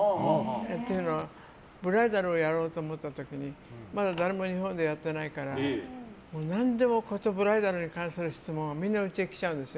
っていうのはブライダルをやろうと思った時にまだ誰も日本でやってないから何でもブライダルに関する質問はみんなうちへきちゃうんですよ。